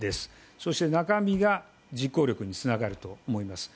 そして中身が実行力につながると思います。